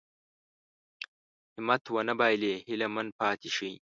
همت ونه بايلي هيله من پاتې شي.